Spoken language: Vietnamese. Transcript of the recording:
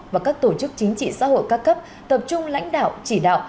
và các tổ chức chính trị xã hội các cấp tập trung lãnh đạo chỉ đạo